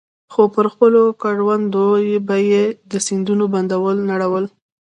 خو پر خپلو کروندو به يې د سيندونو بندونه نړول.